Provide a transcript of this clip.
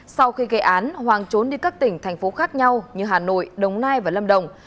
sau khi gây án hoàng trốn đi các tỉnh thành phố khác nhau như hà nội đồng nai và lâm đồng